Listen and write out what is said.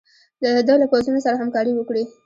ده له پوځونو سره همکاري وکړي.